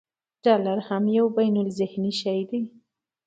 ډالر هم یو بینالذهني شی دی.